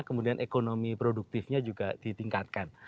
kemudian ekonomi produktifnya juga ditingkatkan